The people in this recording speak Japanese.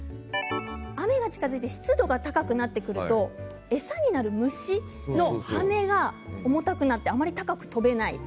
雨が近づいて湿度が高くなってくると餌になる虫の羽が重たくなってあまり高く飛べない。